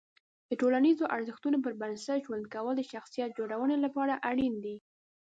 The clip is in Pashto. د ټولنیزو ارزښتونو پر بنسټ ژوند کول د شخصیت جوړونې لپاره اړین دي.